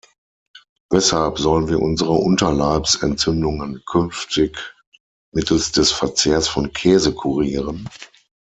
Weshalb sollen wir unsere Unterleibsentzündungen künftig mittels des Verzehrs von Käse kurieren?